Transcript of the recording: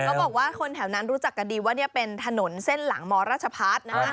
เขาบอกว่าคนแถวนั้นรู้จักกันดีว่านี่เป็นถนนเส้นหลังมราชพัฒน์นะฮะ